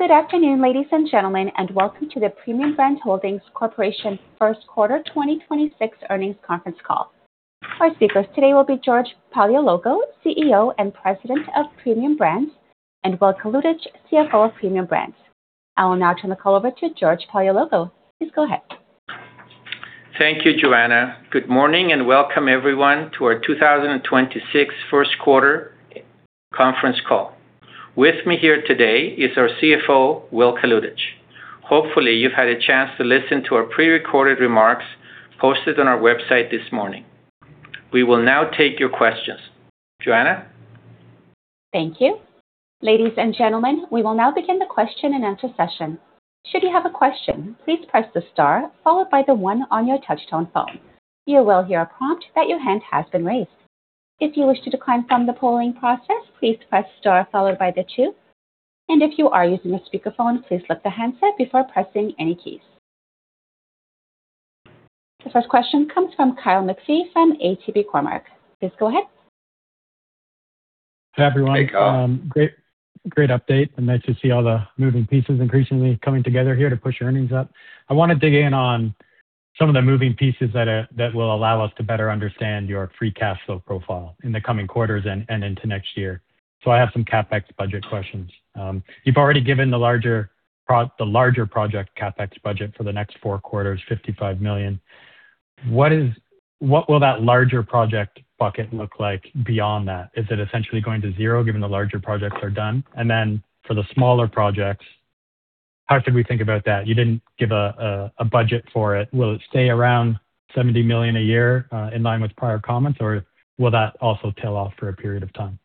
Good afternoon, ladies and gentlemen, and welcome to the Premium Brands Holdings Corporation first quarter 2026 earnings conference call. Our speakers today will be George Paleologou, CEO and President of Premium Brands, and Will Kalutycz, CFO of Premium Brands. I will now turn the call over to George Paleologou. Please go ahead. Thank you, Joanna. Good morning and welcome everyone to our 2026 first quarter conference call. With me here today is our CFO, Will Kalutycz. Hopefully, you've had a chance to listen to our pre-recorded remarks posted on our website this morning. We will now take your questions. Joanna? Thank you. Ladies and gentlemen, we will now begin the question-and-answer session. Should you have a question, please press the star followed by the one on your touchtone phone. You will hear a prompt that your hand has been raised. If you wish to decline from the polling process, please press star followed by the two. If you are using a speakerphone, please lift the handset before pressing any keys. The first question comes from Kyle McPhee from ATB Cormark. Please go ahead. Hi, everyone. Great update and nice to see all the moving pieces increasingly coming together here to push your earnings up. I want to dig in on some of the moving pieces that will allow us to better understand your free cash flow profile in the coming quarters and into next year. I have some CapEx budget questions. You've already given the larger project CapEx budget for the next four quarters, 55 million. What will that larger project bucket look like beyond that? Is it essentially going to zero given the larger projects are done? For the smaller projects, how should we think about that? You didn't give a budget for it. Will it stay around 70 million a year, in line with prior comments, or will that also tail off for a period of time?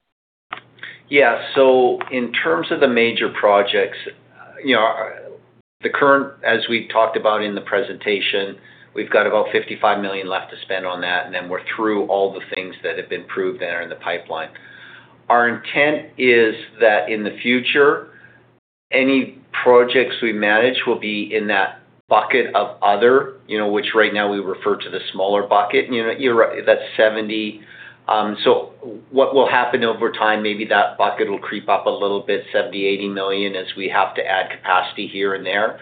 In terms of the major projects, you know, the current, as we talked about in the presentation, we've got about 55 million left to spend on that, and then we're through all the things that have been approved that are in the pipeline. Our intent is that in the future, any projects we manage will be in that bucket of other, you know, which right now we refer to the smaller bucket. You're right, that's 70 million. What will happen over time, maybe that bucket will creep up a little bit, 70 million-80 million as we have to add capacity here and there.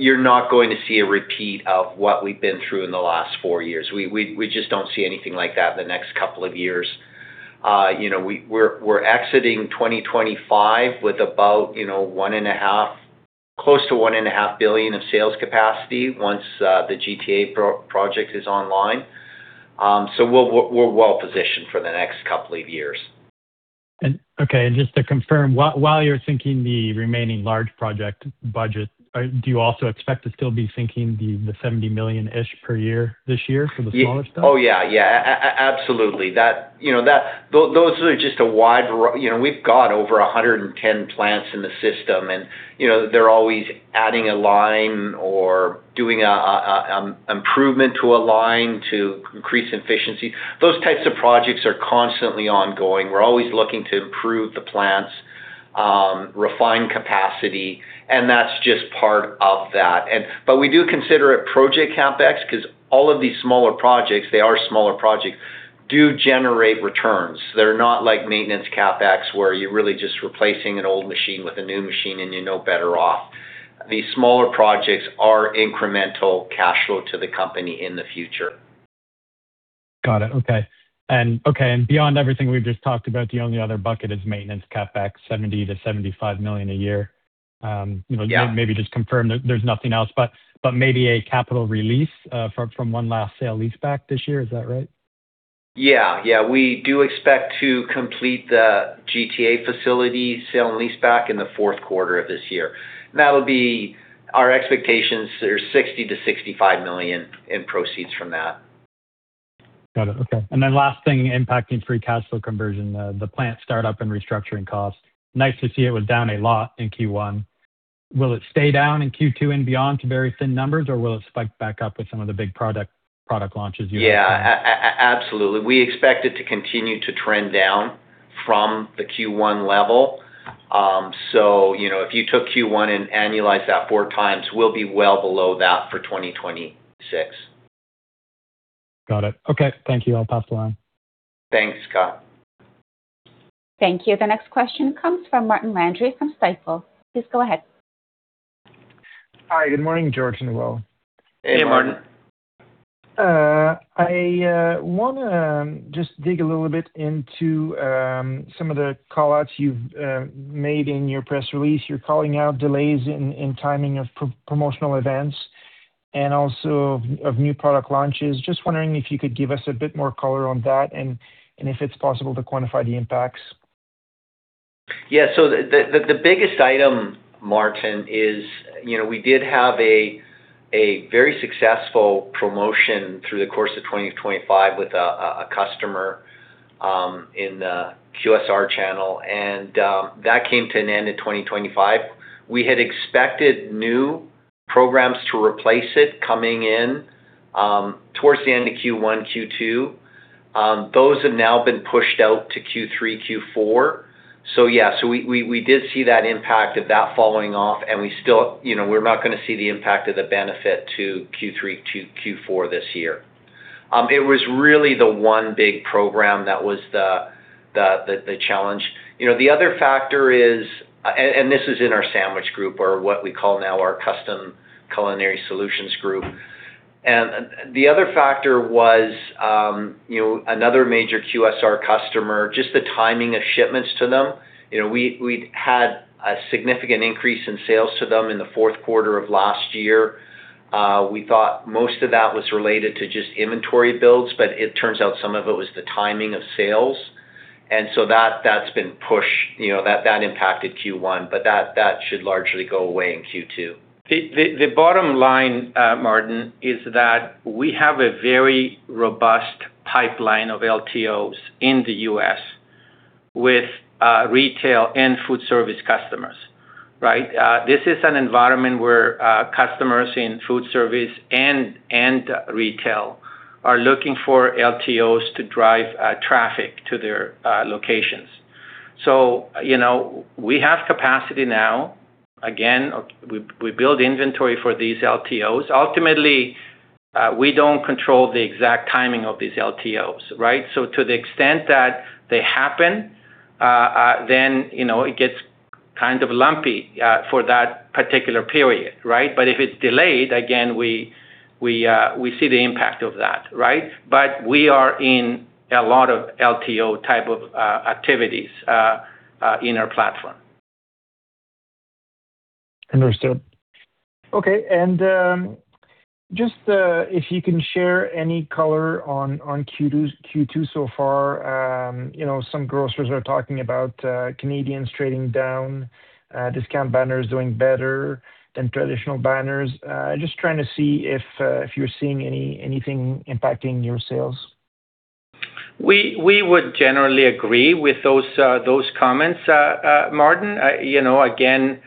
You're not going to see a repeat of what we've been through in the last four years. We just don't see anything like that in the next couple of years. We're exiting 2025 with about close to 1.5 billion of sales capacity once the GTA project is online. We're well-positioned for the next couple of years. Okay, and just to confirm, while you're sinking the remaining large project budget, do you also expect to still be sinking the 70 million-ish per year this year for the smaller stuff? Oh, yeah. Yeah. Absolutely. You know, we've got over 110 plants in the system, and, you know, they're always adding a line or doing a improvement to a line to increase efficiency. Those types of projects are constantly ongoing. We're always looking to improve the plants, refine capacity, and that's just part of that. We do consider it project CapEx 'cause all of these smaller projects, they are smaller projects, do generate returns. They're not like maintenance CapEx, where you're really just replacing an old machine with a new machine and you're no better off. These smaller projects are incremental cash flow to the company in the future. Got it. Okay. Okay, and beyond everything we've just talked about, the only other bucket is maintenance CapEx, 70 million-75 million a year. Yeah. You know, maybe just confirm there's nothing else, but maybe a capital release from one last sale leaseback this year. Is that right? Yeah. Yeah. We do expect to complete the GTA facility sale and leaseback in the fourth quarter of this year. That'll be our expectations are 60 million-65 million in proceeds from that. Got it. Okay. Last thing impacting free cash flow conversion, the plant startup and restructuring costs. Nice to see it was down a lot in Q1. Will it stay down in Q2 and beyond to very thin numbers, or will it spike back up with some of the big product launches you have planned? Yeah. Absolutely. We expect it to continue to trend down from the Q1 level. You know, if you took Q1 and annualized that 4x, we'll be well below that for 2026. Got it. Okay. Thank you. I'll pass along. Thanks, Kyle. Thank you. The next question comes from Martin Landry from Stifel. Please go ahead. Hi, good morning, George and Will. Hey, Martin. I wanna just dig a little bit into some of the call-outs you've made in your press release. You're calling out delays in timing of promotional events and also of new product launches. Just wondering if you could give us a bit more color on that and if it's possible to quantify the impacts. The biggest item, Martin, is, you know, we did have a very successful promotion through the course of 2025 with a customer in the QSR channel, that came to an end in 2025. We had expected new programs to replace it coming in towards the end of Q1, Q2. Those have now been pushed out to Q3, Q4. We did see that impact of that falling off, and we still You know, we're not gonna see the impact of the benefit to Q3 to Q4 this year. It was really the one big program that was the challenge. You know, the other factor is, and this is in our sandwich group or what we call now our Custom Culinary Solutions group. The other factor was, you know, another major QSR customer, just the timing of shipments to them. You know, we'd had a significant increase in sales to them in the fourth quarter of last year. We thought most of that was related to just inventory builds, but it turns out some of it was the timing of sales. That's been pushed. You know, that impacted Q1, but that should largely go away in Q2. The bottom line, Martin, is that we have a very robust pipeline of LTOs in the U.S. with retail and food service customers, right? This is an environment where customers in food service and retail are looking for LTOs to drive traffic to their locations. You know, we have capacity now. Again, we build inventory for these LTOs. Ultimately, we don't control the exact timing of these LTOs, right? To the extent that they happen, then, you know, it gets kind of lumpy for that particular period, right? If it's delayed, again, we see the impact of that, right? We are in a lot of LTO type of activities in our platform. Understood. Okay. Just, if you can share any color on Q2 so far? You know, some grocers are talking about Canadians trading down, discount banners doing better than traditional banners. Just trying to see if you're seeing anything impacting your sales? We would generally agree with those comments, Martin. You know, again,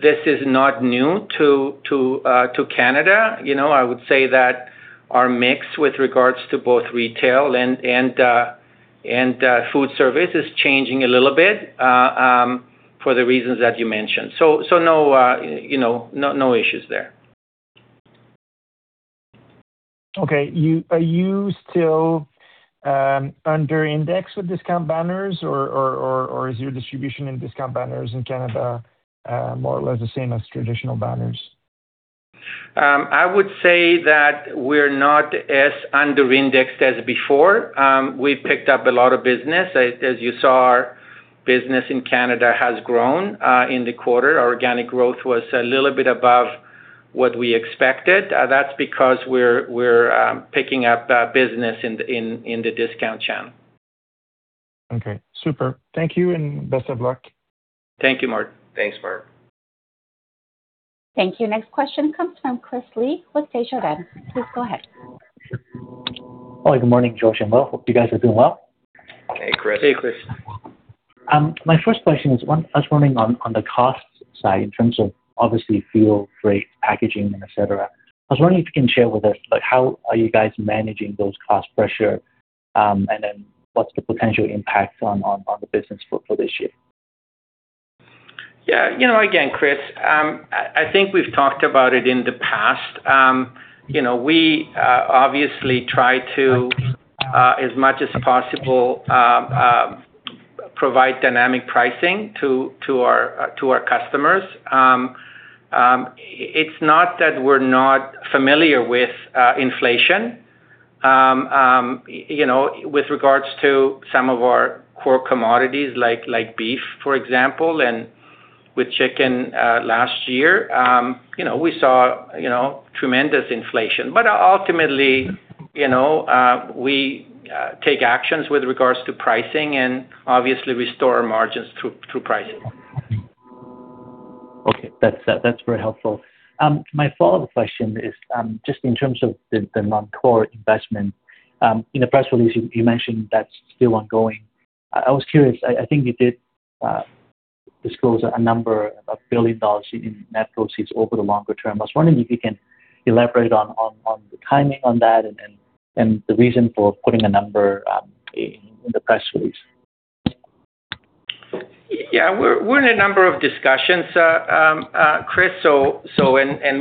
this is not new to Canada. You know, I would say that our mix with regards to both retail and food service is changing a little bit for the reasons that you mentioned. No, you know, no issues there. Okay. Are you still under indexed with discount banners or is your distribution in discount banners in Canada, more or less the same as traditional banners? I would say that we're not as under indexed as before. We've picked up a lot of business. As you saw, our business in Canada has grown in the quarter. Our organic growth was a little bit above what we expected. That's because we're picking up business in the discount channel. Okay, super. Thank you, and best of luck. Thank you, Martin. Thanks, Martin. Thank you. Next question comes from Chris Li with Desjardins. Please go ahead. Hi, good morning, George and Will. Hope you guys are doing well. Hey, Chris. Hey, Chris. My first question is, I was wondering on the cost side in terms of obviously fuel, freight, packaging, and et cetera. I was wondering if you can share with us, like, how are you guys managing those cost pressure, and then what's the potential impact on the business for this year? You know, again, Chris, I think we've talked about it in the past. You know, we obviously try to as much as possible provide dynamic pricing to our customers. It's not that we're not familiar with inflation. You know, with regards to some of our core commodities like beef, for example, and with chicken last year, you know, we saw tremendous inflation. Ultimately, you know, we take actions with regards to pricing and obviously restore our margins through pricing. Okay. That's very helpful. My follow-up question is, just in terms of the non-core investment, in the press release, you mentioned that's still ongoing. I was curious, I think you did disclose a number, 1 billion dollars in net proceeds over the longer term. I was wondering if you can elaborate on the timing on that and the reason for putting a number in the press release. Yeah, we're in a number of discussions, Chris.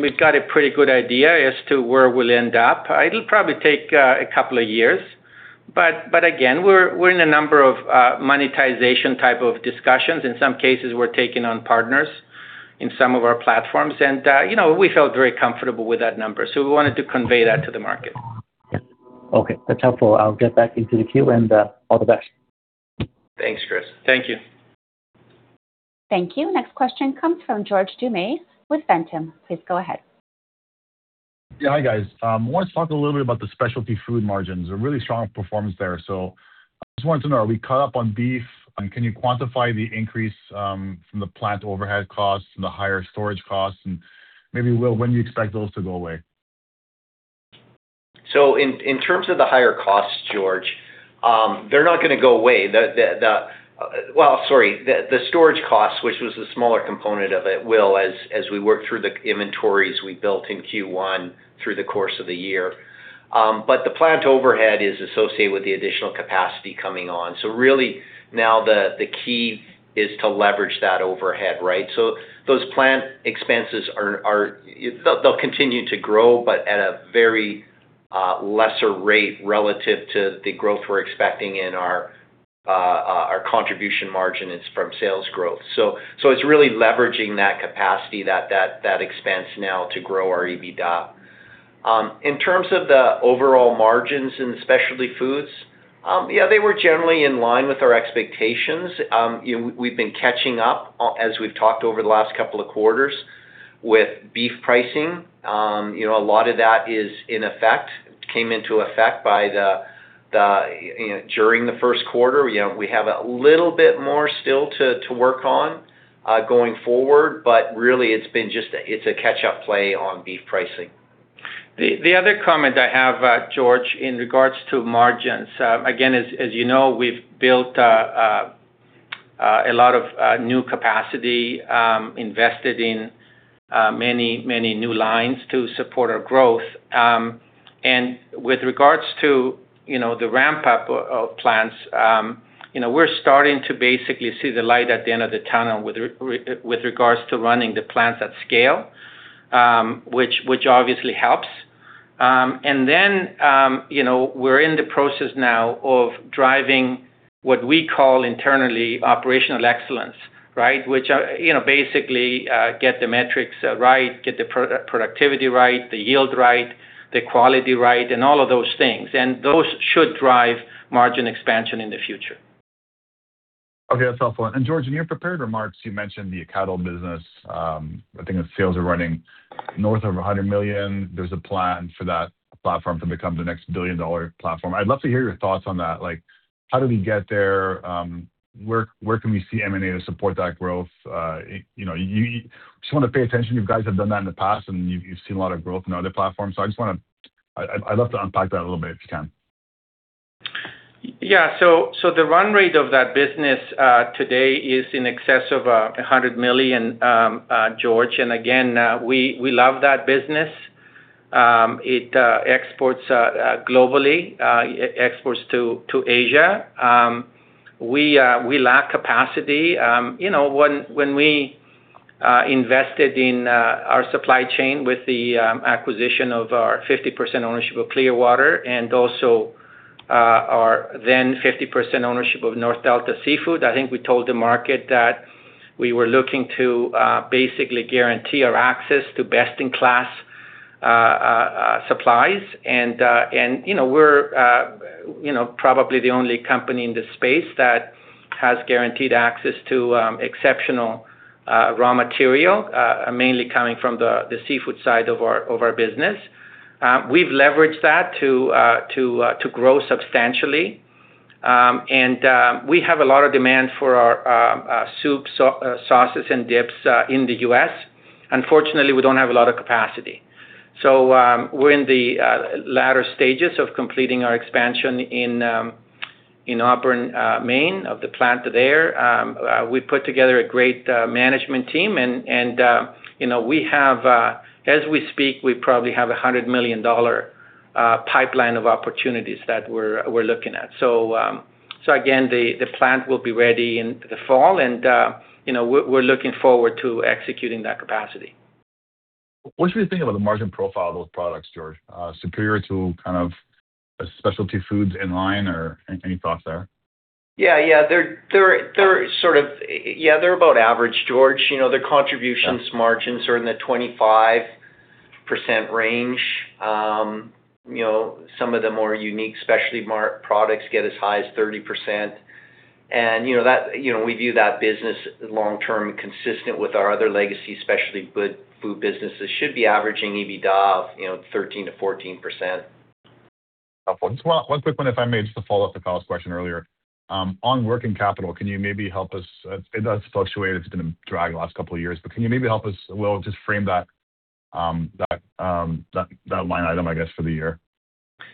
We've got a pretty good idea as to where we'll end up. It'll probably take a couple of years. Again, we're in a number of monetization type of discussions. In some cases, we're taking on partners in some of our platforms. You know, we felt very comfortable with that number, so we wanted to convey that to the market. Okay. That's helpful. I'll get back into the queue and all the best. Thanks, Chris. Thank you. Thank you. Next question comes from George Doumet with Ventum. Please go ahead. Yeah, hi, guys. Wanted to talk a little bit about the specialty food margins. A really strong performance there. I just wanted to know, are we caught up on beef? Can you quantify the increase, from the plant overhead costs and the higher storage costs? Maybe, Will, when do you expect those to go away? In, in terms of the higher costs, George, they're not going to go away. The storage costs, which was the smaller component of it, Will, as we work through the inventories we built in Q1 through the course of the year, but the plant overhead is associated with the additional capacity coming on. Really now the key is to leverage that overhead, right? Those plant expenses will continue to grow, but at a lesser rate relative to the growth we're expecting in our contribution margin is from sales growth. It's really leveraging that capacity that expands now to grow our EBITDA. In terms of the overall margins in specialty foods, they were generally in line with our expectations. We've been catching up, as we've talked over the last couple quarters with beef pricing. You know, a lot of that is in effect, came into effect by the during the first quarter. You know, we have a little bit more still to work on going forward, but really, it's been just a catch-up play on beef pricing. The other comment I have, George, in regards to margins, again, as you know, we've built a lot of new capacity, invested in many new lines to support our growth. With regards to, you know, the ramp-up of plants, you know, we're starting to basically see the light at the end of the tunnel with regards to running the plants at scale, which obviously helps. Then, you know, we're in the process now of driving what we call internally operational excellence, right? Which are, you know, basically, get the metrics right, get the productivity right, the yield right, the quality right, and all of those things. Those should drive margin expansion in the future. Okay. That's helpful. George, in your prepared remarks, you mentioned the cattle business. I think the sales are running north of 100 million. There's a plan for that platform to become the next billion-dollar platform. I'd love to hear your thoughts on that. Like, how do we get there? Where can we see M&A to support that growth? You know, you just want to pay attention, you guys have done that in the past, and you've seen a lot of growth in other platforms. I just want to, I'd love to unpack that a little bit if you can. The run rate of that business today is in excess of 100 million, George. We love that business. It exports globally, it exports to Asia. We lack capacity. You know, when we invested in our supply chain with the acquisition of our 50% ownership of Clearwater Seafoods and also our then 50% ownership of North Delta Seafoods, I think we told the market that we were looking to basically guarantee our access to best-in-class supplies. You know, we're, you know, probably the only company in this space that has guaranteed access to exceptional raw material, mainly coming from the seafood side of our business. We've leveraged that to grow substantially. We have a lot of demand for our soups, sauces, and dips in the U.S. Unfortunately, we don't have a lot of capacity. We're in the latter stages of completing our expansion in Auburn, Maine, of the plant there. We put together a great management team and, you know, we have, as we speak, we probably have a 100 million dollar pipeline of opportunities that we're looking at. Again, the plant will be ready in the fall and, you know, we're looking forward to executing that capacity. What should we think about the margin profile of those products, George? Superior to kind of a specialty foods in line or any thoughts there? Yeah, yeah. They're about average, George. You know, their contributions margins are in the 25% range. You know, some of the more unique specialty products get as high as 30%. You know, that, you know, we view that business long term, consistent with our other legacy, specialty food businesses. Should be averaging EBITDA of, you know, 13%-14%. One quick one, if I may, just to follow up to Kyle's question earlier. On working capital, can you maybe help us? It does fluctuate. It's been a drag the last couple of years, but can you maybe help us, well, just frame that line item, I guess, for the year?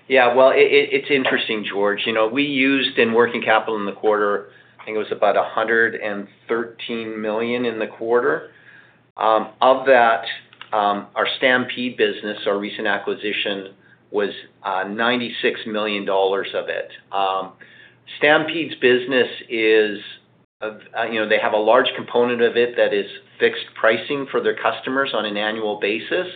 Yeah. Well, it's interesting, George. You know, we used in working capital in the quarter, I think it was about 113 million. Of that, our Stampede business, our recent acquisition was 96 million dollars of it. Stampede's business is, you know, they have a large component of it that is fixed pricing for their customers on an annual basis.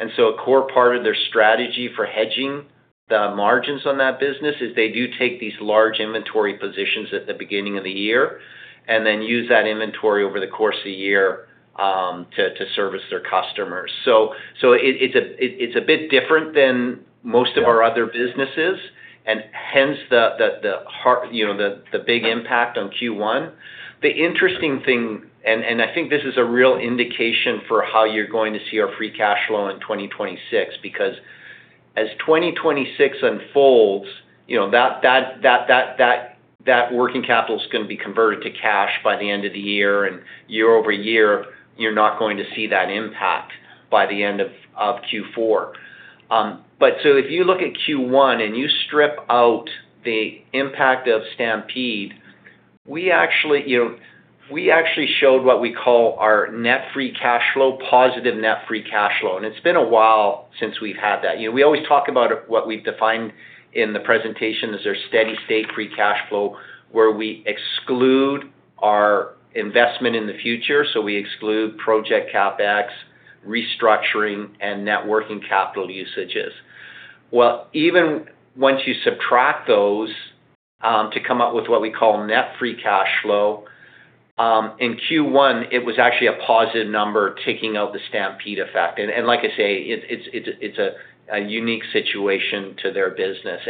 A core part of their strategy for hedging the margins on that business is they do take these large inventory positions at the beginning of the year and then use that inventory over the course of the year to service their customers. It's a bit different than most of our other businesses and hence the, you know, the big impact on Q1. The interesting thing, I think this is a real indication for how you're going to see our free cash flow in 2026, because as 2026 unfolds, you know, that working capital is gonna be converted to cash by the end of the year, and year-over-year, you're not going to see that impact by the end of Q4. If you look at Q1 and you strip out the impact of Stampede, we actually, you know, we actually showed what we call our net free cash flow, positive net free cash flow. It's been a while since we've had that. You know, we always talk about what we've defined in the presentation as our steady state free cash flow, where we exclude our investment in the future. We exclude project CapEx, restructuring, and net working capital usages. Even once you subtract those, to come up with what we call net free cash flow, in Q1 it was actually a positive number taking out the Stampede effect. Like I say, it is a unique situation to their business.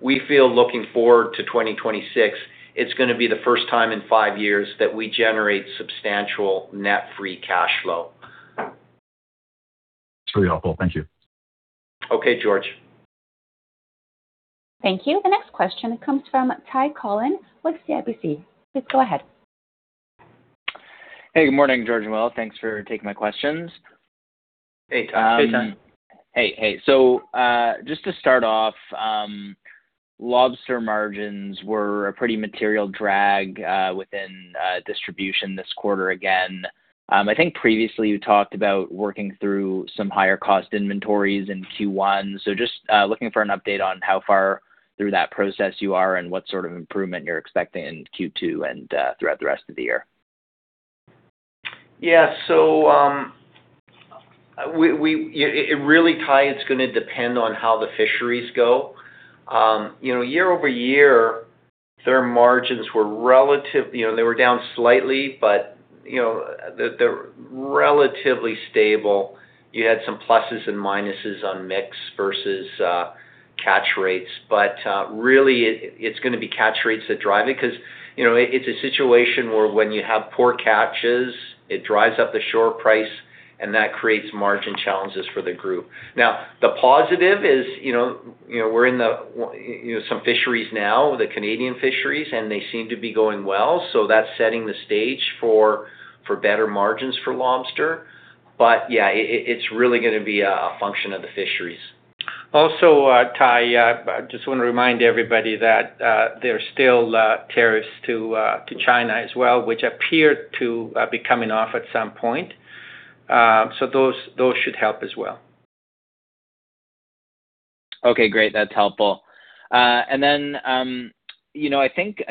We feel looking forward to 2026, it is going to be the first time in five years that we generate substantial net free cash flow. That's really helpful. Thank you. Okay, George. Thank you. The next question comes from Ty Collin with CIBC. Please go ahead. Hey, good morning, George and Will. Thanks for taking my questions. Hey, Ty. Hey, Ty. Hey, hey. Just to start off, lobster margins were a pretty material drag within distribution this quarter again. I think previously you talked about working through some higher cost inventories in Q1. Just looking for an update on how far through that process you are and what sort of improvement you're expecting in Q2 and throughout the rest of the year. Yeah. It really, Ty, it's going to depend on how the fisheries go. You know, year over year, their margins were relative. You know, they were down slightly, you know, they're relatively stable. You had some pluses and minuses on mix versus catch rates. Really it's going to be catch rates that drive it because, you know, it's a situation where when you have poor catches, it drives up the shore price, and that creates margin challenges for the group. The positive is, you know, you know, we're in the you know, some fisheries now, the Canadian fisheries, and they seem to be going well, that's setting the stage for better margins for lobster. Yeah, it's really going to be a function of the fisheries. Also, Ty, I just wanna remind everybody that there are still tariffs to China as well, which appear to be coming off at some point. Those should help as well. Okay, great. That's helpful. You know, I think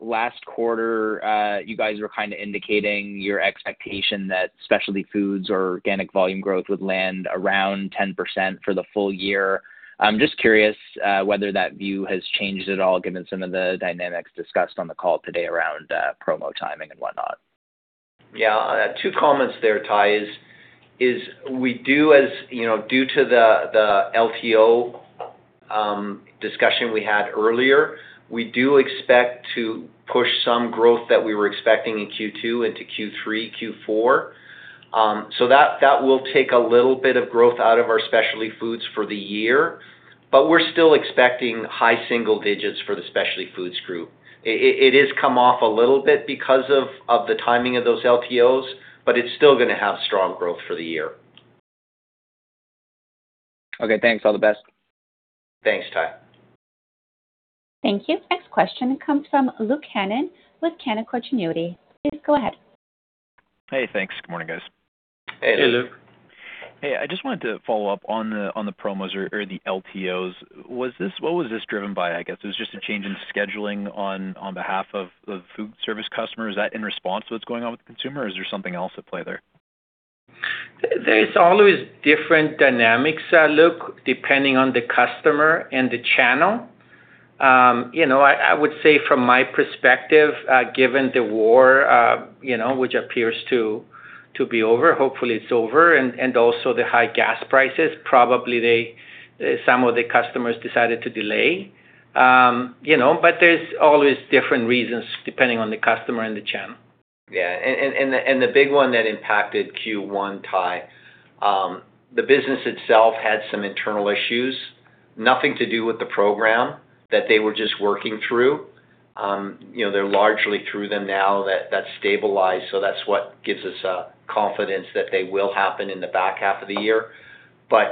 last quarter, you guys were kinda indicating your expectation that specialty foods or organic volume growth would land around 10% for the full year. I'm just curious, whether that view has changed at all given some of the dynamics discussed on the call today around promo timing and whatnot. Yeah. Two comments there, Ty, is we do as, you know, due to the LTO discussion we had earlier, we do expect to push some growth that we were expecting in Q2 into Q3, Q4. That will take a little bit of growth out of our specialty foods for the year, but we're still expecting high single digits for the Specialty Foods Group. It has come off a little bit because of the timing of those LTOs, but it's still gonna have strong growth for the year. Okay, thanks. All the best. Thanks, Ty. Thank you. Next question comes from Luke Hannan with Canaccord Genuity. Please go ahead. Hey, thanks. Good morning, guys. Hey, Luke. Hey, Luke. Hey. I just wanted to follow up on the, on the promos or the LTOs. What was this driven by, I guess? It was just a change in scheduling on behalf of the food service customer. Is that in response to what's going on with consumer, or is there something else at play there? There is always different dynamics, Luke, depending on the customer and the channel. You know, I would say from my perspective, given the war, you know, which appears to be over, hopefully it's over, and also the high gas prices, probably they, some of the customers decided to delay. You know, there's always different reasons depending on the customer and the channel. Yeah. The big one that impacted Q1, Ty, the business itself had some internal issues, nothing to do with the program, that they were just working through. You know, they're largely through them now that that's stabilized, that's what gives us confidence that they will happen in the back half of the year.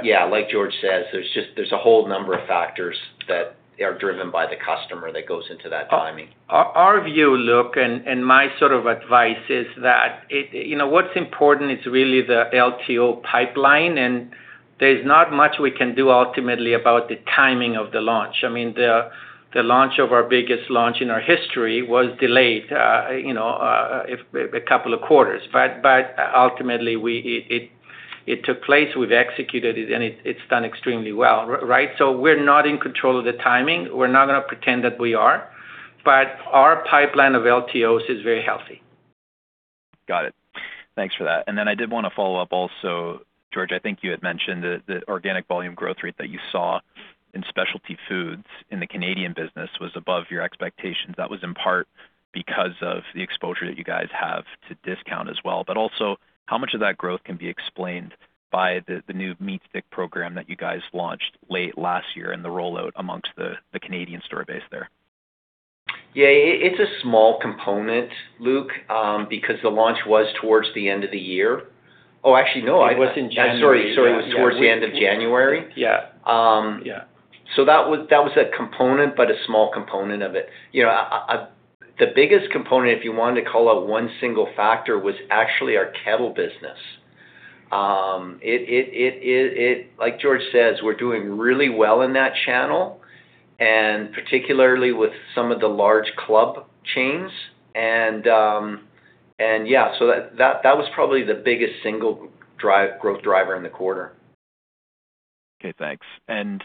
Yeah, like George says, there's a whole number of factors that are driven by the customer that goes into that timing. Our view, Luke, and my sort of advice is that you know, what's important is really the LTO pipeline, and there's not much we can do ultimately about the timing of the launch. I mean, the launch of our biggest launch in our history was delayed, you know, a couple of quarters. Ultimately, it took place, we've executed it, and it's done extremely well. Right? We're not in control of the timing. We're not gonna pretend that we are. Our pipeline of LTOs is very healthy. Got it. Thanks for that. I did wanna follow up also, George, I think you had mentioned the organic volume growth rate that you saw in specialty foods in the Canadian business was above your expectations. That was in part because of the exposure that you guys have to discount as well. Also, how much of that growth can be explained by the new meat stick program that you guys launched late last year and the rollout amongst the Canadian store base there? It's a small component, Luke, because the launch was towards the end of the year. Actually, no. It was in January, yeah. I'm sorry. Sorry. It was towards the end of January. Yeah. Yeah. That was a component, but a small component of it. You know, the biggest component, if you wanted to call out one single factor, was actually our kettle business. It Like George says, we're doing really well in that channel, and particularly with some of the large club chains and, yeah, so that was probably the biggest single growth driver in the quarter. Okay, thanks. Sorry,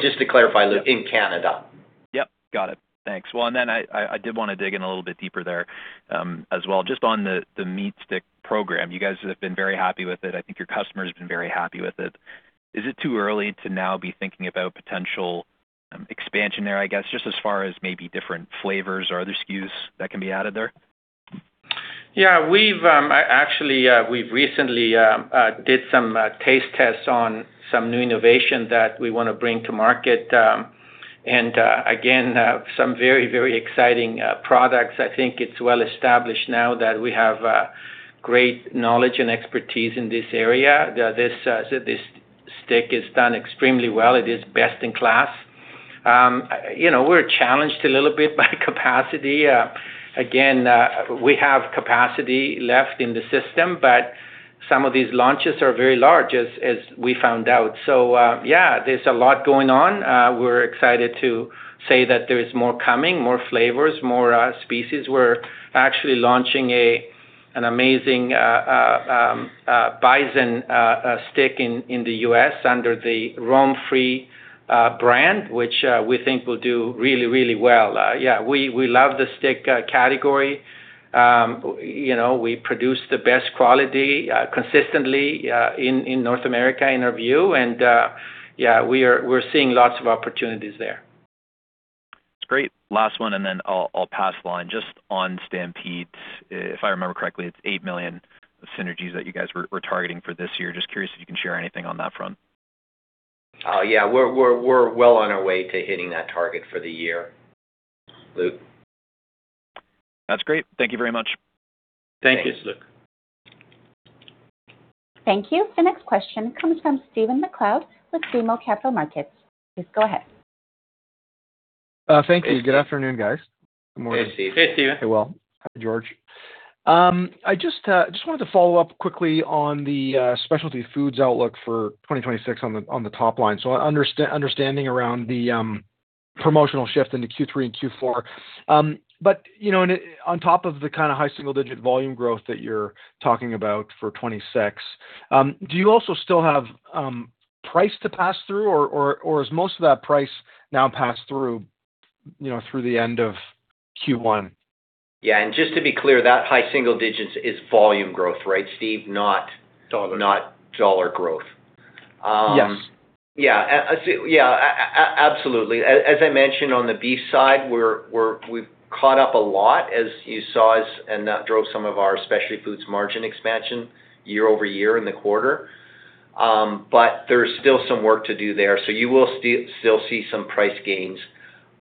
just to clarify, Luke, in Canada. Yep, got it. Thanks. I did wanna dig in a little bit deeper there as well. Just on the meat stick program, you guys have been very happy with it. I think your customers have been very happy with it. Is it too early to now be thinking about potential expansion there, I guess, just as far as maybe different flavors or other SKUs that can be added there? Yeah. We've actually we've recently did some taste tests on some new innovation that we wanna bring to market. Again, some very, very exciting products. I think it's well established now that we have great knowledge and expertise in this area. This stick has done extremely well. It is best in class. You know, we're challenged a little bit by capacity. Again, we have capacity left in the system, some of these launches are very large as we found out. Yeah, there's a lot going on. We're excited to say that there is more coming, more flavors, more species. We're actually launching an amazing bison stick in the U.S. under the Roam Free brand, which we think will do really, really well. Yeah, we love the stick category. You know, we produce the best quality consistently in North America in our view. Yeah, we're seeing lots of opportunities there. That's great. Last one. Then I'll pass the line. Just on Stampede, if I remember correctly, it's 8 million synergies that you guys were targeting for this year. Just curious if you can share anything on that front. Yeah. We're well on our way to hitting that target for the year, Luke. That's great. Thank you very much. Thank you, Luke. Thanks. Thank you. The next question comes from Stephen MacLeod with BMO Capital Markets. Please go ahead. Thank you. Good afternoon, guys. Good morning. Hey, Steve. Hey, Stephen. Hey, Will. Hi, George. I just wanted to follow up quickly on the specialty foods outlook for 2026 on the top line. Understanding around the promotional shift into Q3 and Q4. You know, on top of the kind of high single-digit volume growth that you're talking about for 2026, do you also still have price to pass through or is most of that price now passed through, you know, through the end of Q1? Yeah. just to be clear, that high single digits is volume growth, right, Stephen? Dollar. Not dollar growth. Yes. Yeah. Absolutely. As I mentioned on the beef side, we're we've caught up a lot as you saw us, and that drove some of our specialty foods margin expansion year-over-year in the quarter. There's still some work to do there. You will still see some price gains.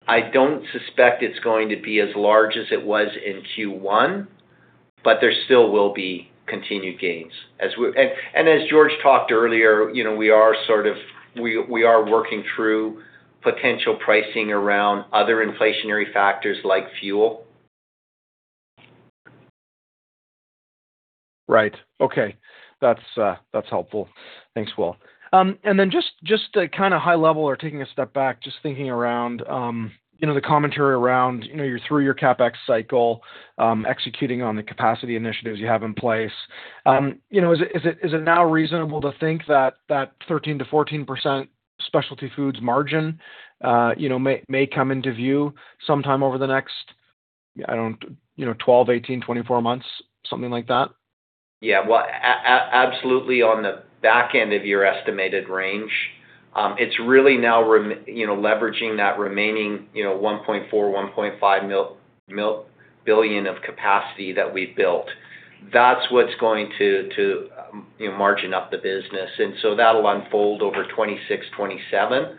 I don't suspect it's going to be as large as it was in Q1, there still will be continued gains. As George talked earlier, you know, we are sort of we are working through potential pricing around other inflationary factors like fuel. Right. Okay. That's helpful. Thanks, Will. Then just to kinda high level or taking a step back, just thinking around, you know, the commentary around, you know, you're through your CapEx cycle, executing on the capacity initiatives you have in place. You know, is it, is it, is it now reasonable to think that that 13% to 14% specialty foods margin, you know, may come into view sometime over the next, I don't, you know, 12, 18, 24 months, something like that? Well, absolutely on the back end of your estimated range. It's really now, you know, leveraging that remaining, you know, 1.4, 1.5 billion of capacity that we've built. That's what's going to, you know, margin up the business. That'll unfold over 2026, 2027.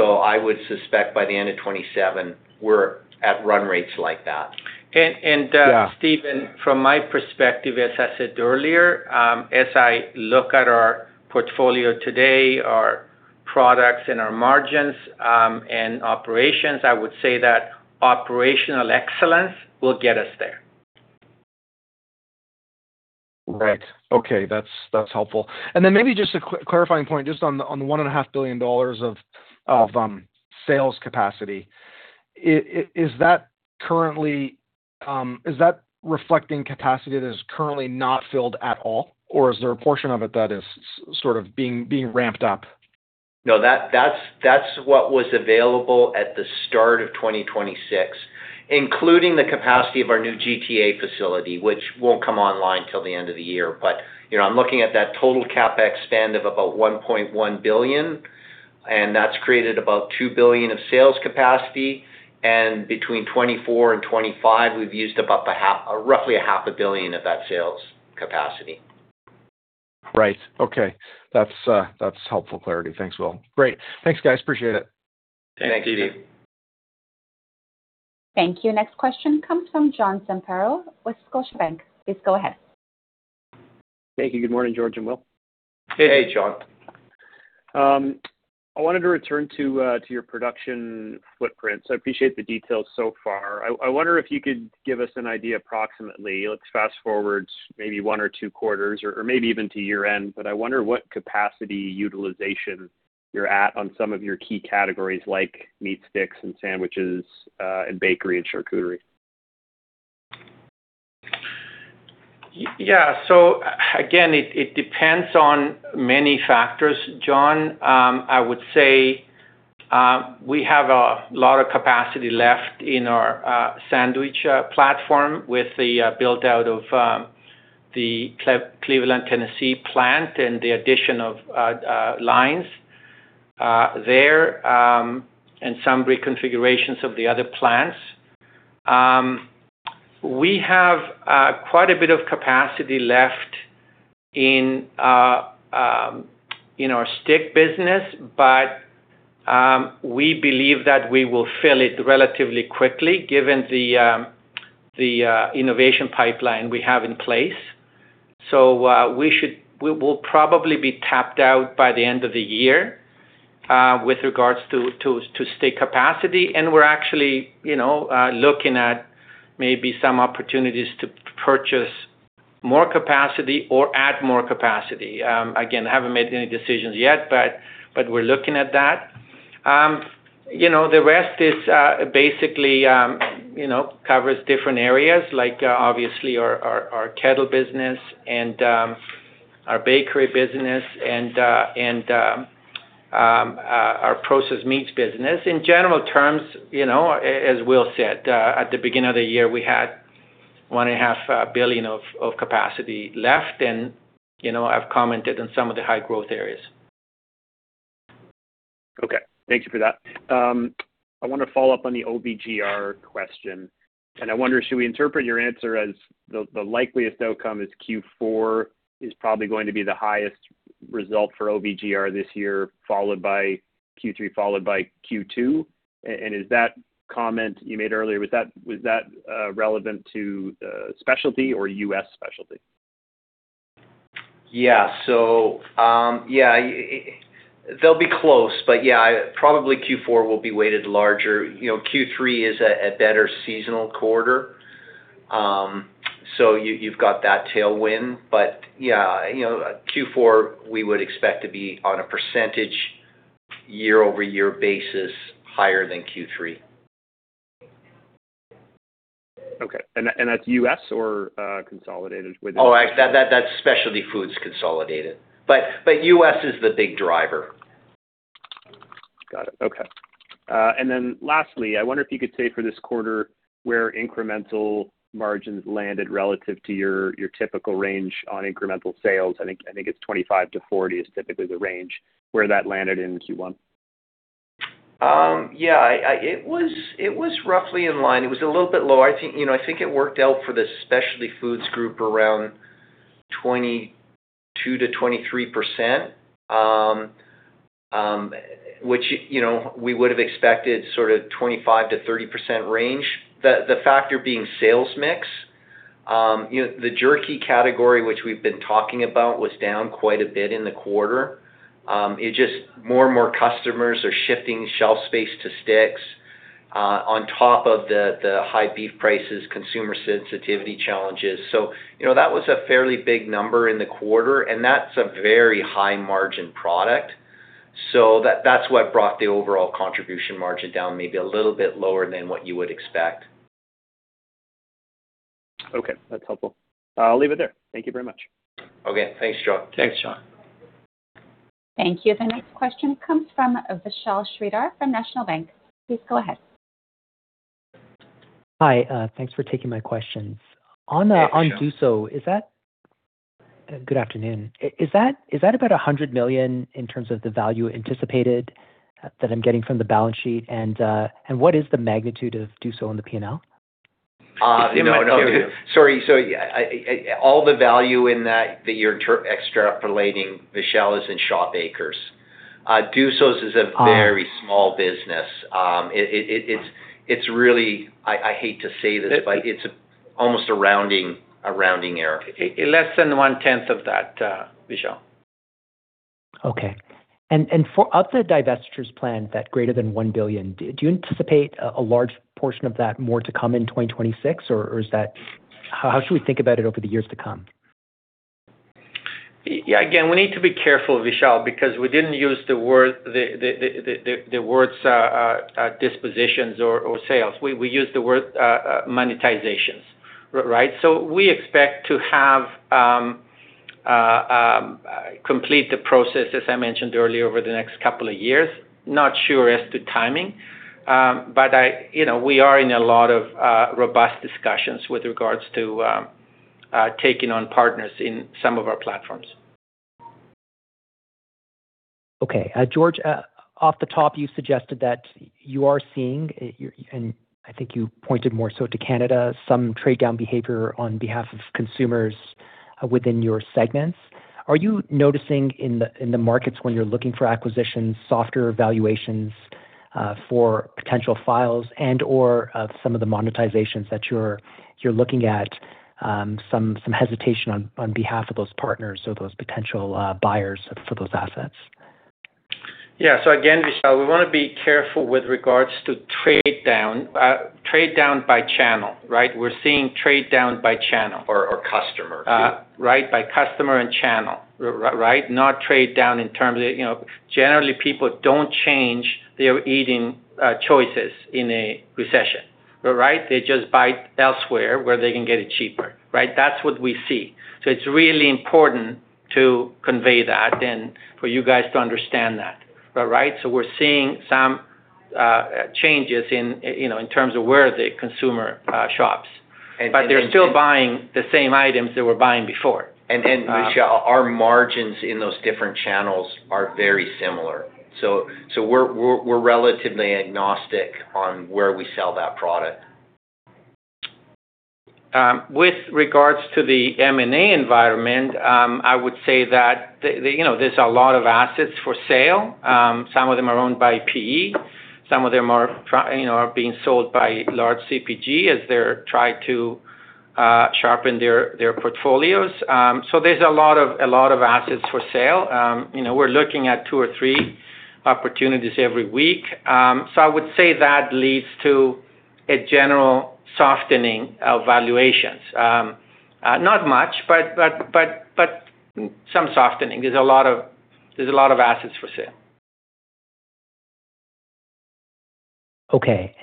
I would suspect by the end of 2027, we're at run rates like that. Yeah. Stephen, from my perspective, as I said earlier, as I look at our portfolio today, our products and our margins, and operations, I would say that operational excellence will get us there. Right. Okay. That's helpful. Maybe just a clarifying point just on the one and 0.5 billion dollars of sales capacity. Is that currently reflecting capacity that is currently not filled at all, or is there a portion of it that is sort of being ramped up? No, that's what was available at the start of 2026, including the capacity of our new GTA facility, which won't come online till the end of the year. You know, I'm looking at that total CapEx spend of about 1.1 billion, and that's created about 2 billion of sales capacity. Between 2024 and 2025, we've used about roughly a 0.5 billion of that sales capacity. Okay. That's helpful clarity. Thanks, Will. Great. Thanks, guys. Appreciate it. Thank you, Steve. Thank you, Steve. Thank you. Next question comes from John Zamparo with Scotiabank. Please go ahead. Thank you. Good morning, George and Will. Hey. Hey, John. I wanted to return to your production footprint. I appreciate the details so far. I wonder if you could give us an idea approximately. Let's fast-forward maybe one or two quarters or maybe even to year-end, but I wonder what capacity utilization you're at on some of your key categories like meat sticks and sandwiches, and bakery and charcuterie. Yeah. Again, it depends on many factors, John. I would say, we have a lot of capacity left in our sandwich platform with the build-out of the Cleveland, Tennessee plant and the addition of lines there, and some reconfigurations of the other plants. We have quite a bit of capacity left in our stick business, but we believe that we will fill it relatively quickly given the innovation pipeline we have in place. We will probably be tapped out by the end of the year with regards to stick capacity. We're actually, you know, looking at maybe some opportunities to purchase more capacity or add more capacity. Again, haven't made any decisions yet, but we're looking at that. You know, the rest is, basically, you know, covers different areas like, obviously our, our kettle business and, our bakery business and, our processed meats business. In general terms, as Will said, at the beginning of the year, we had 1.5 billion of capacity left and, you know, I've commented on some of the high growth areas. Okay. Thank you for that. I wanna follow up on the OVGR question, and I wonder, should we interpret your answer as the likeliest outcome is Q4 is probably going to be the highest result for OVGR this year, followed by Q3, followed by Q2? Is that comment you made earlier, was that relevant to specialty or U.S. specialty? Yeah. They'll be close, but yeah, probably Q4 will be weighted larger. You know, Q3 is a better seasonal quarter. You've got that tailwind. You know, Q4, we would expect to be on a percentage year-over-year basis higher than Q3. Okay. That's U.S. or consolidated within? That's specialty foods consolidated. U.S. is the big driver. Got it. Okay. Lastly, I wonder if you could say for this quarter where incremental margins landed relative to your typical range on incremental sales. I think it's 25%-40% is typically the range where that landed in Q1. Yeah. It was, it was roughly in line. It was a little bit low. I think, you know, I think it worked out for the Specialty Foods Group around 22%-23%, which, you know, we would have expected sort of 25%-30% range. The factor being sales mix. You know, the jerky category, which we've been talking about, was down quite a bit in the quarter. It just more and more customers are shifting shelf space to sticks on top of the high beef prices, consumer sensitivity challenges. You know, that was a fairly big number in the quarter, and that's a very high margin product. That's what brought the overall contribution margin down, maybe a little bit lower than what you would expect. Okay, that's helpful. I'll leave it there. Thank you very much. Okay. Thanks, John. Thanks, John. Thank you. The next question comes from Vishal Shreedhar from National Bank. Please go ahead. Hi. Thanks for taking my questions. Hey, Vishal. On Duso, Good afternoon. Is that about 100 million in terms of the value anticipated, that I'm getting from the balance sheet? What is the magnitude of Duso's on the P&L? You know Sorry. All the value in that you're extrapolating, Vishal, is in Shaw Bakers. Duso's is a very small business. It's really, I hate to say this, but it's almost a rounding error. Less than 1/10 of that, Vishal. Okay. For the divestitures plan that greater than 1 billion, do you anticipate a large portion of that more to come in 2026 or is that How should we think about it over the years to come? Yeah, again, we need to be careful, Vishal, because we didn't use the words dispositions or sales. We use the word monetizations, right? We expect to have complete the process, as I mentioned earlier, over the next couple years. Not sure as to timing, but I, you know, we are in a lot of robust discussions with regards to taking on partners in some of our platforms. Okay. George, off the top, you suggested that you are seeing, and I think you pointed more so to Canada, some trade down behavior on behalf of consumers within your segments. Are you noticing in the, in the markets when you're looking for acquisitions, softer valuations, for potential files and/or, some hesitation on behalf of those partners or those potential buyers for those assets? Yeah. Again, Vishal, we wanna be careful with regards to trade down. Trade down by channel, right? We're seeing trade down by channel. Customer. Right? By customer and channel, right? Not trade down in terms of, you know. Generally, people don't change their eating choices in a recession, right? They just buy elsewhere where they can get it cheaper, right? That's what we see. It's really important to convey that and for you guys to understand that, right? We're seeing some changes in, you know, in terms of where the consumer shops. They're still buying the same items they were buying before. Vishal, our margins in those different channels are very similar. We're relatively agnostic on where we sell that product. With regards to the M&A environment, I would say that the, you know, there's a lot of assets for sale. Some of them are owned by PE, some of them are you know, are being sold by large CPG as they try to sharpen their portfolios. So there's a lot of assets for sale. You know, we're looking at two or three opportunities every week. So I would say that leads to a general softening of valuations. Not much, but some softening. There's a lot of assets for sale. Okay.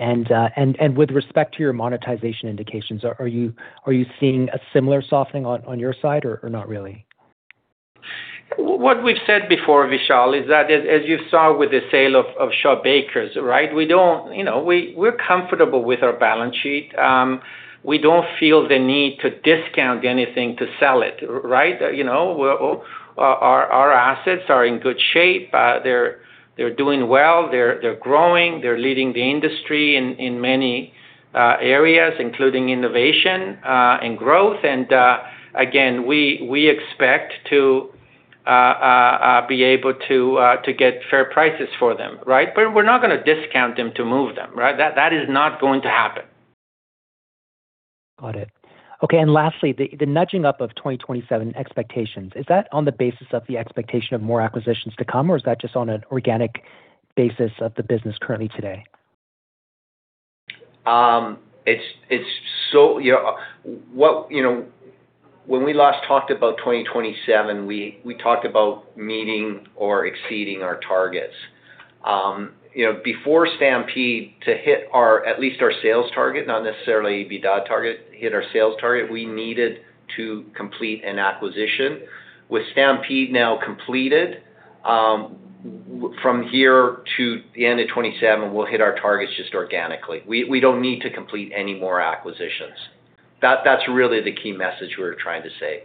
With respect to your monetization indications, are you seeing a similar softening on your side or not really? What we've said before, Vishal, is that as you saw with the sale of Shaw Bakers, right? You know, we're comfortable with our balance sheet. We don't feel the need to discount anything to sell it, right? You know, our assets are in good shape. They're doing well. They're growing. They're leading the industry in many areas, including innovation and growth. Again, we expect to be able to get fair prices for them, right? We're not gonna discount them to move them, right? That is not going to happen. Got it. Okay. Lastly, the nudging up of 2027 expectations, is that on the basis of the expectation of more acquisitions to come, or is that just on an organic basis of the business currently today? It's so, you know, when we last talked about 2027, we talked about meeting or exceeding our targets. You know, before Stampede, to hit our sales target, not necessarily EBITDA target, we needed to complete an acquisition. With Stampede now completed, from here to the end of 2027, we'll hit our targets just organically. We don't need to complete any more acquisitions. That's really the key message we're trying to say.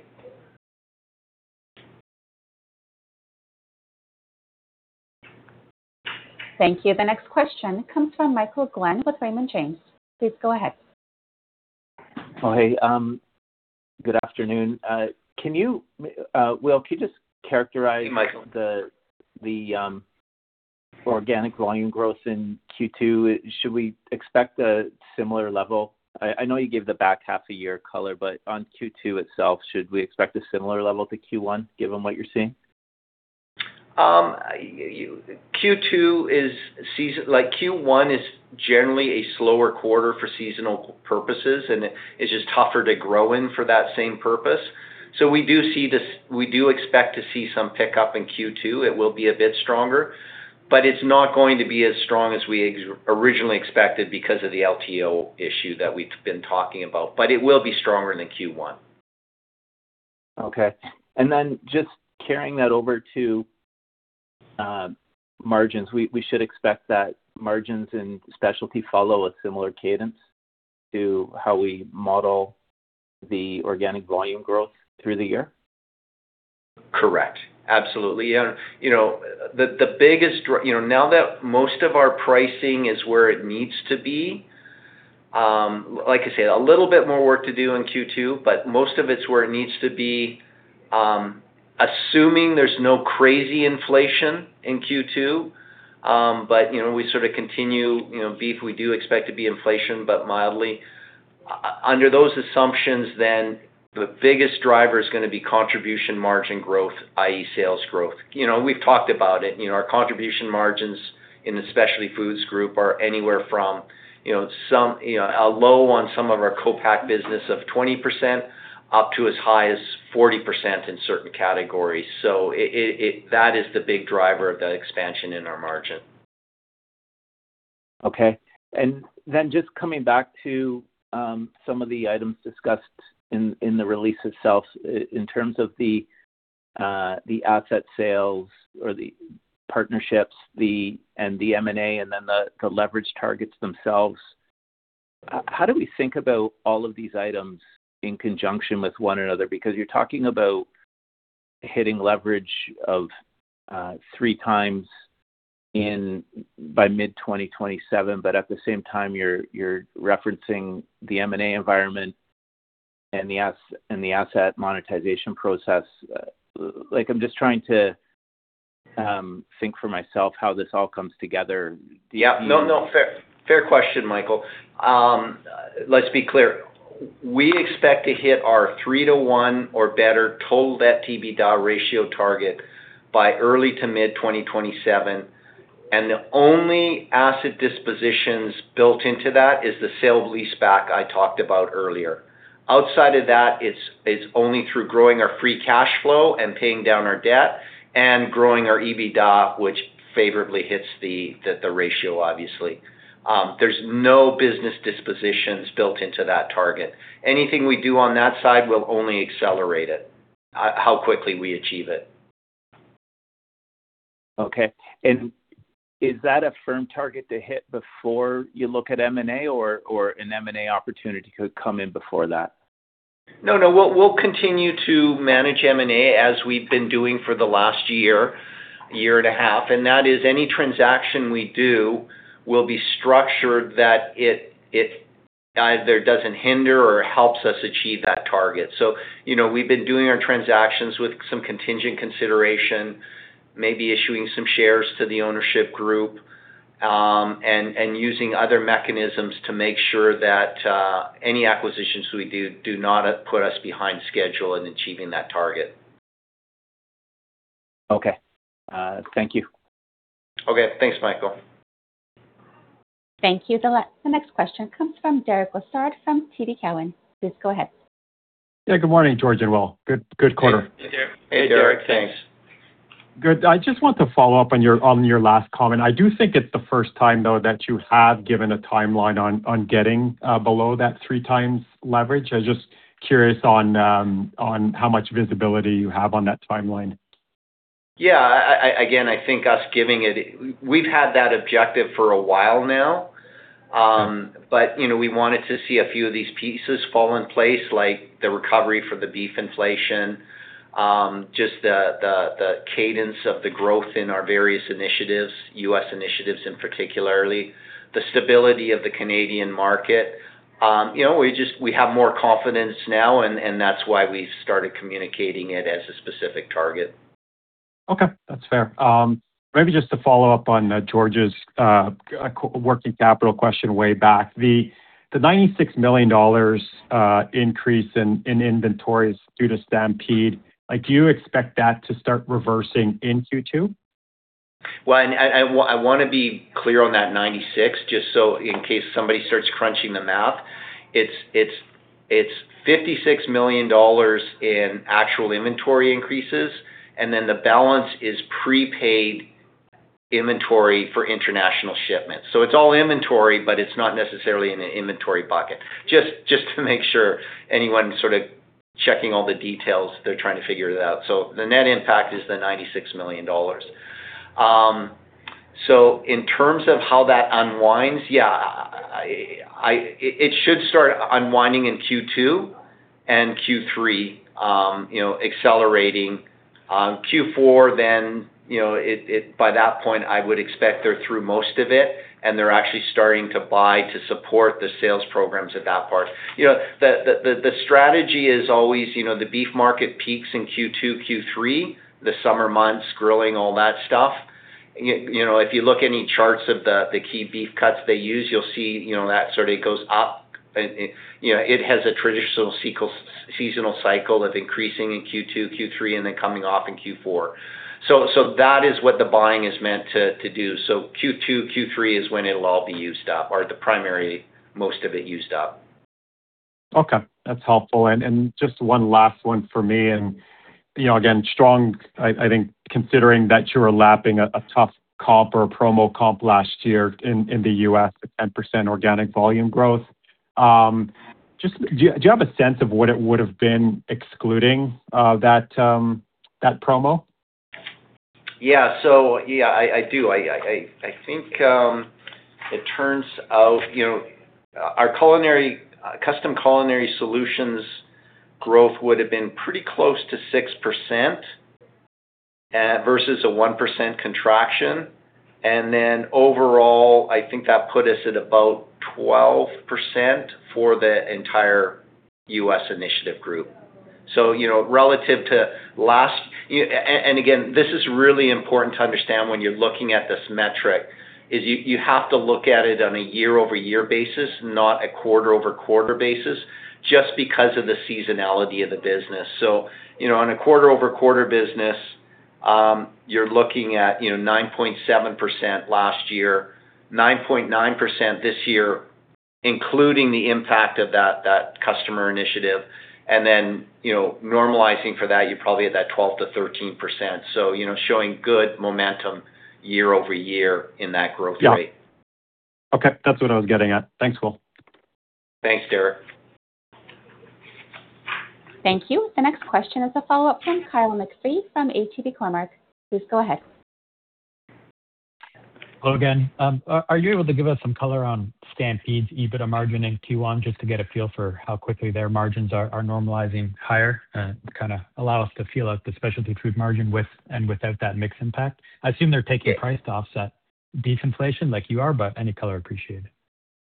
Thank you. The next question comes from Michael Glen with Raymond James. Please go ahead. Oh, hey. Good afternoon. Will, can you just characterize. Hey, Michael. The organic volume growth in Q2? Should we expect a similar level? I know you gave the back half a year color, but on Q2 itself, should we expect a similar level to Q1 given what you're seeing? Like, Q1 is generally a slower quarter for seasonal purposes, and it is just tougher to grow in for that same purpose. We do expect to see some pickup in Q2. It will be a bit stronger, but it's not going to be as strong as we originally expected because of the LTO issue that we've been talking about, but it will be stronger than Q1. Okay. Just carrying that over to margins. We should expect that margins in specialty follow a similar cadence to how we model the organic volume growth through the year? Correct. Absolutely. You know, the biggest You know, now that most of our pricing is where it needs to be, like I said, a little bit more work to do in Q2, but most of it's where it needs to be, assuming there's no crazy inflation in Q2. You know, we sort of continue. You know, beef, we do expect to be inflation, but mildly. Under those assumptions, the biggest driver is gonna be contribution margin growth, i.e. sales growth. You know, we've talked about it. You know, our contribution margins in the Specialty Foods Group are anywhere from, you know, some, you know, a low on some of our co-pack business of 20% up to as high as 40% in certain categories. That is the big driver of the expansion in our margin. Okay. Just coming back to some of the items discussed in the release itself in terms of the asset sales or the partnerships, the M&A and then the leverage targets themselves. How do we think about all of these items in conjunction with one another? Because you're talking about hitting leverage of 3x in by mid-2027, but at the same time, you're referencing the M&A environment and the asset monetization process. Like, I'm just trying to think for myself how this all comes together. Yeah. No, no. Fair, fair question, Michael. Let's be clear. We expect to hit our 3 to 1 or better total debt to EBITDA ratio target by early to mid 2027. The only asset dispositions built into that is the sale-leaseback I talked about earlier. Outside of that, it's only through growing our free cash flow and paying down our debt and growing our EBITDA, which favorably hits the ratio, obviously. There's no business dispositions built into that target. Anything we do on that side will only accelerate it, how quickly we achieve it. Okay. Is that a firm target to hit before you look at M&A or an M&A opportunity could come in before that? No, no. We'll continue to manage M&A as we've been doing for the last year and a half. That is any transaction we do will be structured that it either doesn't hinder or helps us achieve that target. You know, we've been doing our transactions with some contingent consideration, maybe issuing some shares to the ownership group, and using other mechanisms to make sure that any acquisitions we do do not put us behind schedule in achieving that target. Okay. Thank you. Okay. Thanks, Michael. Thank you. The next question comes from Derek Lessard from TD Cowen. Please go ahead. Yeah, good morning, George and Will. Good, good quarter. Hey, Derek. Hey, Derek. Thanks. Good. I just want to follow up on your last comment. I do think it's the first time, though, that you have given a timeline on getting below that 3x leverage. I was just curious on how much visibility you have on that timeline. Yeah. We've had that objective for a while now. You know, we wanted to see a few of these pieces fall in place, like the recovery for the beef inflation, just the cadence of the growth in our various initiatives, U.S. initiatives in particular, the stability of the Canadian market. You know, we have more confidence now, and that's why we started communicating it as a specific target. Okay, that's fair. Maybe just to follow up on George's working capital question way back. The 96 million dollars increase in inventories due to Stampede, like, do you expect that to start reversing in Q2? Well, I want to be clear on that 96 million, just in case somebody starts crunching the math. It's 56 million dollars in actual inventory increases, the balance is prepaid inventory for international shipments. It's all inventory, but it's not necessarily in an inventory bucket. Just to make sure anyone sort of checking all the details, they're trying to figure it out. The net impact is the 96 million dollars. In terms of how that unwinds, yeah, it should start unwinding in Q2 and Q3, you know, accelerating on Q4, you know, by that point, I would expect they're through most of it, and they're actually starting to buy to support the sales programs at that part. You know, the strategy is always, you know, the beef market peaks in Q2, Q3, the summer months, grilling, all that stuff. You know, if you look any charts of the key beef cuts they use, you'll see, you know, that sort of goes up and, you know, it has a traditional seasonal cycle of increasing in Q2, Q3, and then coming off in Q4. That is what the buying is meant to do. Q2, Q3 is when it'll all be used up, or the primary, most of it used up. Okay, that's helpful. Just one last one for me. You know, again, strong, I think, considering that you are lapping a tough comp or a promo comp last year in the U.S. at 10% organic volume growth. Just do you have a sense of what it would've been excluding that promo? Yeah. Yeah, I do. I, I think, it turns out, you know, our Custom Culinary Solutions growth would've been pretty close to 6% versus a 1% contraction. Overall, I think that put us at about 12% for the entire U.S. initiative group. You know, relative to last, again, this is really important to understand when you're looking at this metric, is you have to look at it on a year-over-year basis, not a quarter-over-quarter basis, just because of the seasonality of the business. You know, on a quarter-over-quarter business, you're looking at, you know, 9.7% last year, 9.9% this year, including the impact of that customer initiative. You know, normalizing for that, you're probably at that 12%-13%. You know, showing good momentum year-over-year in that growth rate. Yeah. Okay, that's what I was getting at. Thanks, Will. Thanks, Derek. Thank you. The next question is a follow-up from Kyle McPhee from ATB Cormark. Please go ahead. Hello again. Are you able to give us some color on Stampede's EBITDA margin in Q1 just to get a feel for how quickly their margins are normalizing higher? Kinda allow us to feel out the specialty food margin with and without that mix impact. I assume they're taking price to offset deflation like you are, any color appreciated.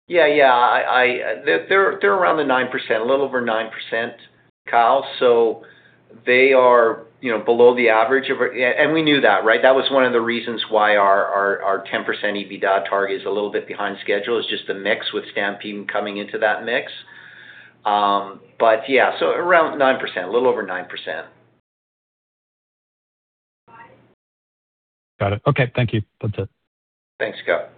Yeah, yeah. They're around the 9%, a little over 9%, Kyle, they are, you know, below the average of and we knew that, right? That was one of the reasons why our 10% EBITDA target is a little bit behind schedule. It's just the mix with Stampede coming into that mix. Yeah. Around 9%, a little over 9%. Got it. Okay, thank you. That's it. Thanks, Kyle.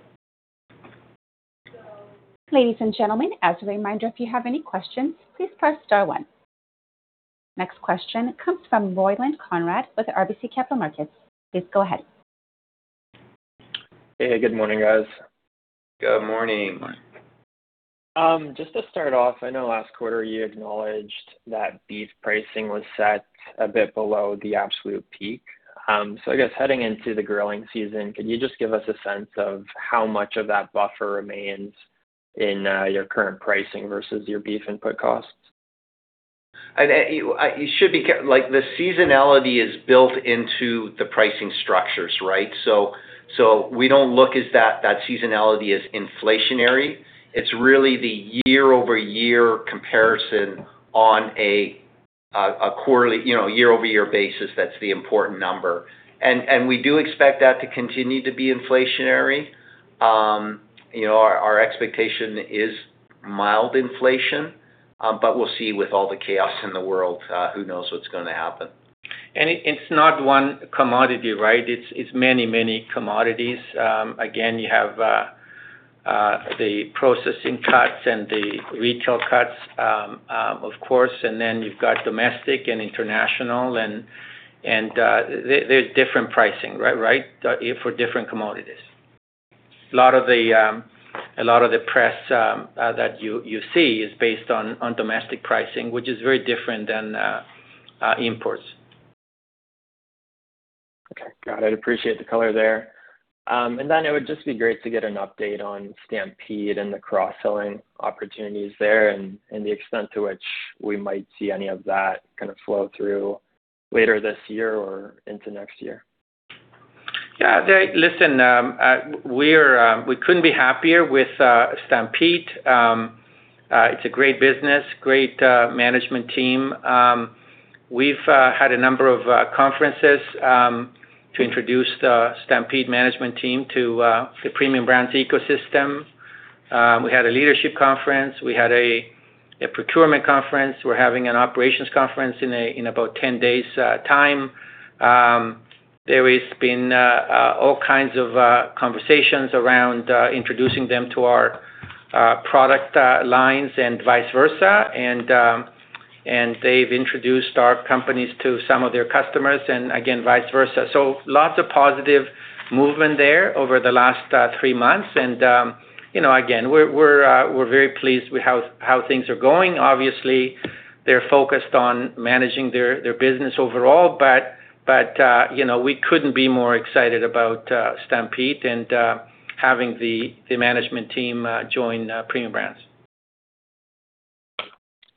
Ladies and gentlemen, as a reminder, if you have any questions, please press star one. Next question comes from Ryland Conrad with RBC Capital Markets. Please go ahead. Hey, good morning, guys. Good morning. Just to start off, I know last quarter you acknowledged that beef pricing was set a bit below the absolute peak. I guess heading into the grilling season, can you just give us a sense of how much of that buffer remains in your current pricing versus your beef input costs? You should be Like, the seasonality is built into the pricing structures, right? We don't look as that seasonality as inflationary. It's really the year-over-year comparison on a quarterly, you know, year-over-year basis that's the important number. We do expect that to continue to be inflationary. You know, our expectation is mild inflation, we'll see with all the chaos in the world, who knows what's gonna happen. It's not one commodity, right? It's many commodities. Again, you have the processing cuts and the retail cuts, of course, and then you've got domestic and international and there's different pricing, right, for different commodities. A lot of the press that you see is based on domestic pricing, which is very different than imports. Okay. Got it. Appreciate the color there. It would just be great to get an update on Stampede and the cross-selling opportunities there and the extent to which we might see any of that kinda flow through later this year or into next year. We couldn't be happier with Stampede. It's a great business, great management team. We've had a number of conferences to introduce the Stampede management team to the Premium Brands ecosystem. We had a leadership conference. We had a procurement conference. We're having an operations conference in about 10 days time. There has been all kinds of conversations around introducing them to our product lines and vice versa. They've introduced our companies to some of their customers and again, vice versa. Lots of positive movement there over the last three months. You know, again, we're very pleased with how things are going. Obviously, they're focused on managing their business overall. You know, we couldn't be more excited about Stampede and having the management team join Premium Brands.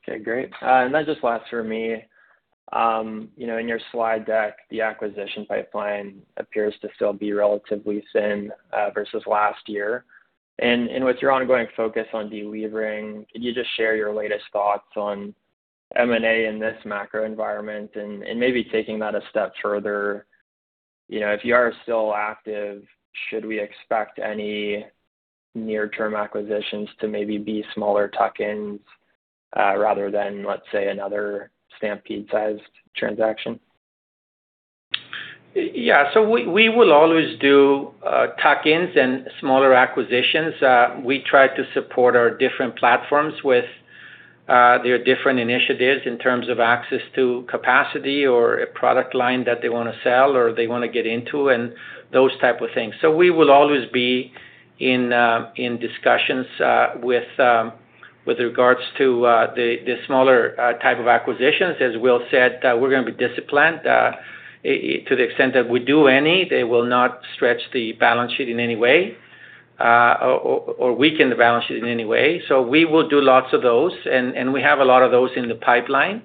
Okay, great. Just last for me, you know, in your slide deck, the acquisition pipeline appears to still be relatively thin versus last year. With your ongoing focus on delevering, can you just share your latest thoughts on M&A in this macro environment? Maybe taking that a step further, you know, if you are still active, should we expect any near-term acquisitions to maybe be smaller tuck-ins rather than, let's say, another Stampede-sized transaction? Yeah. We will always do tuck-ins and smaller acquisitions. We try to support our different platforms with their different initiatives in terms of access to capacity or a product line that they wanna sell or they wanna get into and those type of things. We will always be in discussions with regards to the smaller type of acquisitions. As Will said, we're gonna be disciplined. It to the extent that we do any, they will not stretch the balance sheet in any way or weaken the balance sheet in any way. We will do lots of those, and we have a lot of those in the pipeline.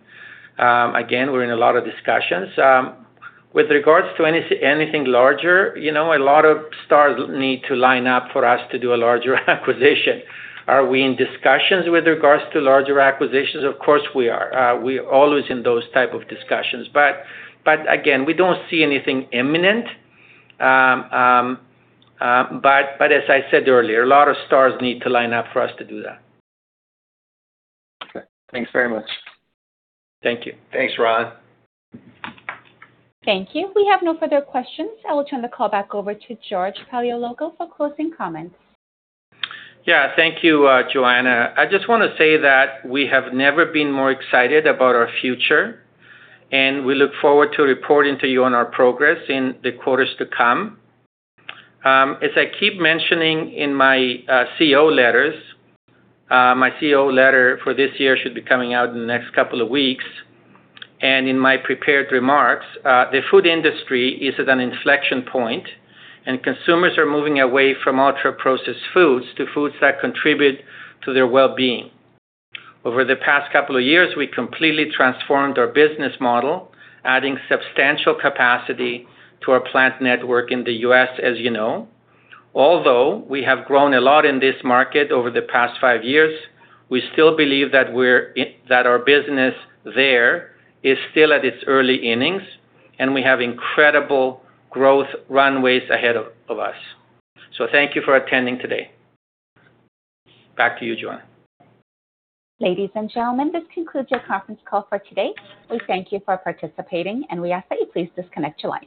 Again, we're in a lot of discussions. With regards to anything larger, you know, a lot of stars need to line up for us to do a larger acquisition. Are we in discussions with regards to larger acquisitions? Of course, we are. We're always in those type of discussions. Again, we don't see anything imminent. As I said earlier, a lot of stars need to line up for us to do that. Okay. Thanks very much. Thank you. Thanks, Ryland. Thank you. We have no further questions. I will turn the call back over to George Paleologou for closing comments. Yeah. Thank you, Joanna. I just wanna say that we have never been more excited about our future, and we look forward to reporting to you on our progress in the quarters to come. As I keep mentioning in my CEO letters, my CEO letter for this year should be coming out in the next couple of weeks. In my prepared remarks, the food industry is at an inflection point, and consumers are moving away from ultra-processed foods to foods that contribute to their well-being. Over the past couple of years, we completely transformed our business model, adding substantial capacity to our plant network in the U.S., as you know. Although we have grown a lot in this market over the past five years, we still believe that we're that our business there is still at its early innings, and we have incredible growth runways ahead of us. Thank you for attending today. Back to you, Joanna. Ladies and gentlemen, this concludes your conference call for today. We thank you for participating, and we ask that you please disconnect your line.